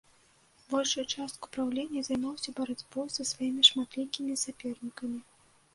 Большую частку праўлення займаўся барацьбой са сваімі шматлікімі сапернікамі.